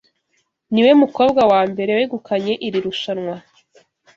Niwe mukobwa wa mbere wegukanye iri rushanwa.